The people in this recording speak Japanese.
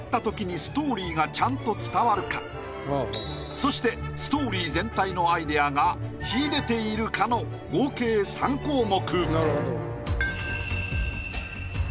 そしてストーリー全体のアイデアが秀でているかの合計３項目。